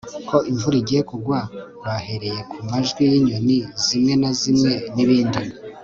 ko imvura igiye kugwa bahereye ku majwi y'inyoni zimwe na zimwen'ibindi